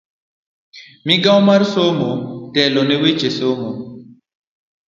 Migao mar somo telo ne weche somo.